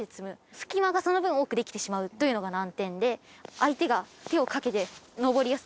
隙間がその分多くできてしまうというのが難点で相手が手をかけて登りやすくなってしまう。